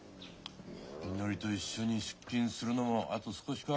みのりと一緒に出勤するのもあと少しか。